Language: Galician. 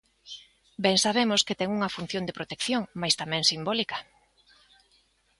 Ben sabemos que ten unha función de protección mais tamén simbólica.